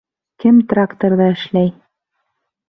Кем тракторҙа эшләй?